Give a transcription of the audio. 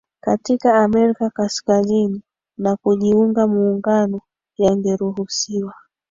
katika Amerika Kaskazini na kujiunga Muungano yangeruhusiwa